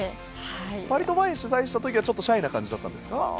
割と前に取材したときはシャイな感じだったんですか？